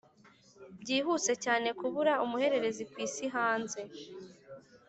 byihuse cyane kubura umuhererezi kwisi hanze.